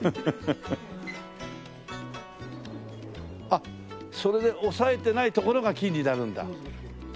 あっそれで押さえてない所が金になるんだ。